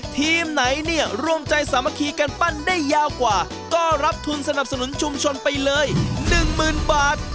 ทีมไหนเนี่ยรวมใจสามัคคีกันปั้นได้ยาวกว่าก็รับทุนสนับสนุนชุมชนไปเลย๑๐๐๐บาท